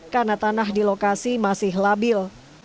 karena tanah di lokasi masih labil